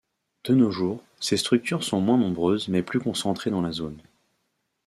De nos jours, ces structures sont moins nombreuses mais plus concentrées dans la zone.